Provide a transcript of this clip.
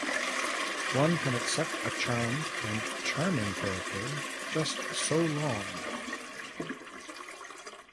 One can accept a charmed - and charming - character just so long.